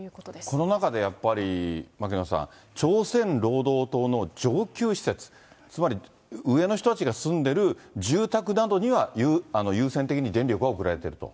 この中でやっぱり、牧野さん、朝鮮労働党の上級施設、つまり、上の人たちが住んでる住宅などには優先的に電力が送られてると。